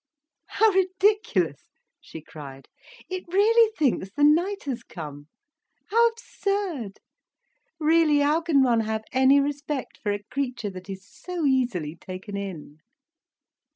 "How ridiculous!" she cried. "It really thinks the night has come! How absurd! Really, how can one have any respect for a creature that is so easily taken in!"